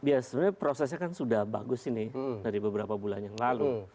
ya sebenarnya prosesnya kan sudah bagus ini dari beberapa bulan yang lalu